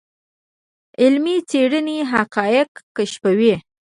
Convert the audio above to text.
علمي څېړنه حقایق کشفوي.